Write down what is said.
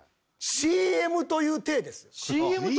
ＣＭという体ですＣＭなの？